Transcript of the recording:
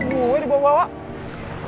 gua gue dibawa bawa